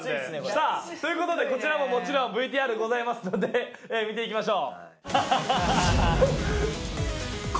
さぁということでこちらももちろんＶＴＲございますので見ていきましょう。